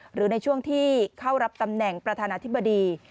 หรือในช่วงที่เข้ารับตำแหน่งประธานาธิบดี